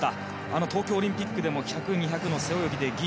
あの東京オリンピックでも１００、２００の背泳ぎで銀。